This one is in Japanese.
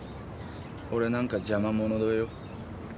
俺なんか邪魔者だよ。